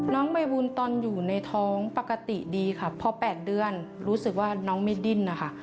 น้องใบบุญตอนอยู่ในท้องปกติดีค่ะพอ๘เดือนรู้สึกว่าน้องไม่ดิ้นนะคะ